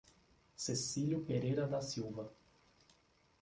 Cecilio Pereira da Silva